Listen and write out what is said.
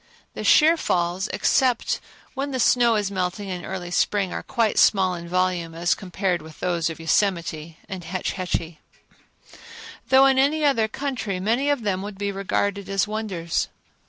The sheer falls, except when the snow is melting in early spring, are quite small in volume as compared with those of Yosemite and Hetch Hetchy; though in any other country many of them would be regarded as wonders.